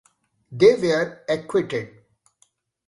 They were acquitted.